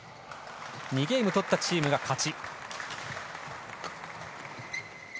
２ゲーム取ったチームが勝ち。